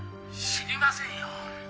「知りませんよ！」